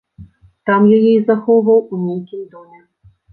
Там яе і захоўваў у нейкім доме.